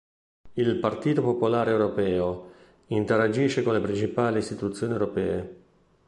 Il Partito Popolare Europeo interagisce con le principali istituzioni europee.